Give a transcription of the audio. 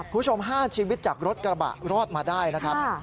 คุณผู้ชม๕ชีวิตจากรถกระบะรอดมาได้นะครับ